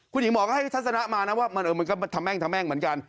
คุณหญิงหมอก็ให้ทัศนะมานะว่ามันก็ทะแม่งทะแม่งเหมือนกัน